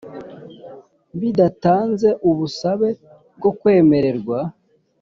bidatanze ubusabe bwo kwemererwa